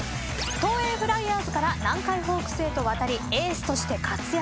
東映フライヤーズから南海ホークスへと渡りエースとして活躍。